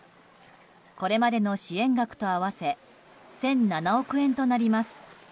これまでの支援額と合わせ１００７億円となります。